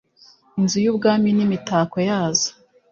inzu y’ ibwami n’imitako yazo